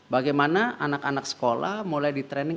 bagaimana anak anak sekolah mulai di training